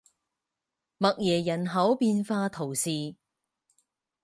默耶人口变化图示